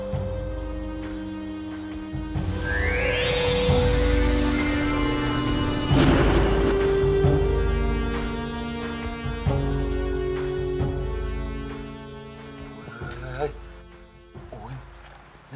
ฮือเฮ้ย